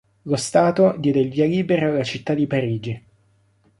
Lo Stato diede il via libera alla città di Parigi.